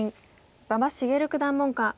馬場滋九段門下。